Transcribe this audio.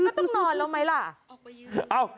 ต้องนอนแล้วไหมล่ะ